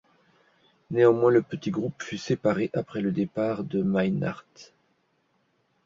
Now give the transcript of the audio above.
Néanmoins, le petit groupe fut séparé après le départ de Maynard.